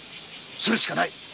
それしかない。